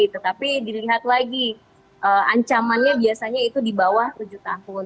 tetapi dilihat lagi ancamannya biasanya itu di bawah tujuh tahun